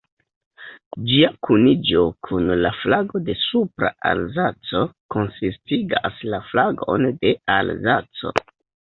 Ĝia kuniĝo kun la flago de Supra-Alzaco konsistigas la flagon de Alzaco.